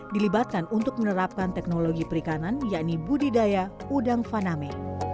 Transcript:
dilibatkan untuk menerapkan teknologi perikanan yakni budidaya udang faname